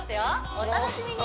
お楽しみに！